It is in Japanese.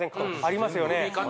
ありますよね